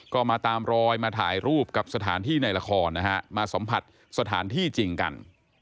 ก็มาตามรอยมาถ่ายรูปกับสถานที่ในละครนะฮะมาสัมผัสสถานที่จริงกัน